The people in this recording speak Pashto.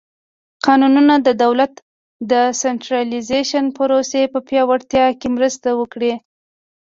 قانون د دولت د سنټرالیزېشن پروسې په پیاوړتیا کې مرسته وکړه.